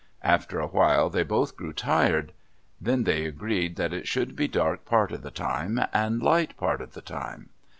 After a while they both grew tired. Then they agreed that it should be dark part of the time, and light part of the time.